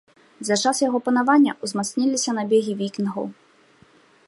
За час яго панавання ўзмацніліся набегі вікінгаў.